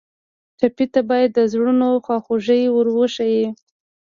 ټپي ته باید د زړونو خواخوږي ور وښیو.